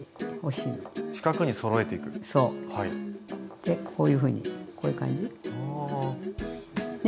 でこういうふうにこういう感じ。はあ。ね？